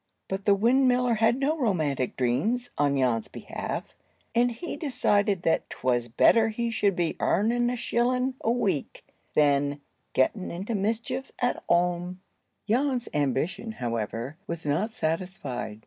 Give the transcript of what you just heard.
But the windmiller had no romantic dreams on Jan's behalf, and he decided that "'twas better he should be arning a shillin' a week than gettin' into mischief at whoam." Jan's ambition, however, was not satisfied.